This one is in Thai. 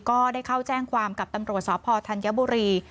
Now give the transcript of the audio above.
ก็ได้เข้าแจ้งความกับตำรวจสพธัญบุรี